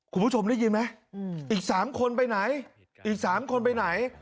คุณผู้ชมได้ยินไหมอีก๓คนไปไหนอีก๓คนไปไหน